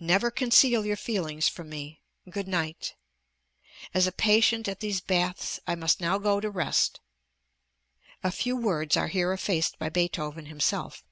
Never conceal your feelings from me. Good night! As a patient at these baths, I must now go to rest. [A few words are here effaced by Beethoven himself.